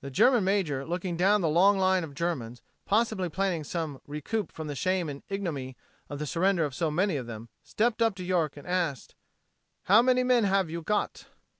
The German major looking down the long line of Germans, possibly planning some recoup from the shame and ignominy of the surrender of so many of them, stepped up to York and asked: "How many men have you got?"